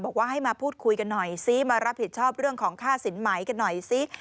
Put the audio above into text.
บอกว่าให้มาพูดคุยกันหน่อยซิมารับผิดชอบเรื่องของค่าสินไหมกันหน่อยซิ